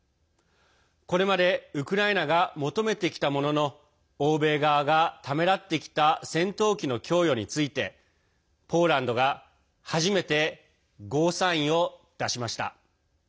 これまでウクライナが求めてきたものの欧米側がためらってきた戦闘機の供与についてポーランドが初めてゴーサインを出しました。